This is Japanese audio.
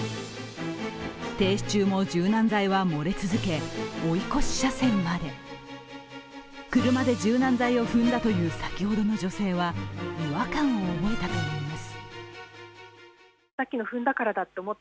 停止中も柔軟剤は漏れ続け、追い越し車線まで車で柔軟剤を踏んだという先ほどの女性は、違和感を覚えたといいます。